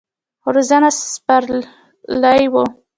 روزنه سپارلې وه.